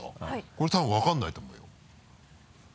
これ多分分からないと思うよ。